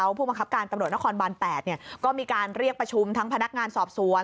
ผู้บังคับการตำรวจนครบาน๘ก็มีการเรียกประชุมทั้งพนักงานสอบสวน